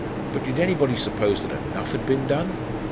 But did anybody suppose that enough had been done?